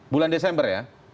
bulan desember ya